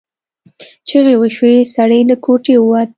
چیغې وشوې سړی له کوټې ووت.